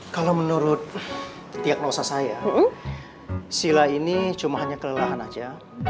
kalau menurut diagnosa saya sila ini cuma hanya kelelahan saja